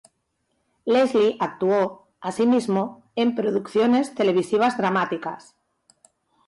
Leslie actuó, así mismo, en producciones televisivas dramáticas.